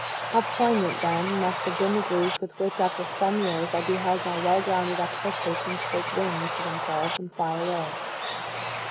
How poignant, then, must have been the grief with which, after some years, I beheld my well grounded expectations take wings to themselves and fly away!